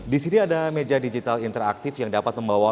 di sini ada meja digital interaktif yang dapat membawa